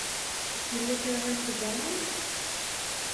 Yella kra ay teẓram?